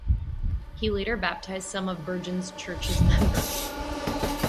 He later baptised some of Burgin's church members.